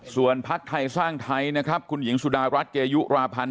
ส่วนพักไทยสร้างไทยนะครับคุณหญิงสุดารัฐเกยุราพันธ์